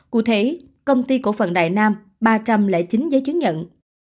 cụ thể công ty cổ phần đại nam ba trăm linh chín giấy chứng nhận